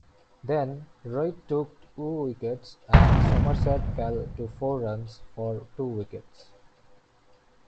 Then, Wright took two wickets and Somerset fell to four runs for two wickets.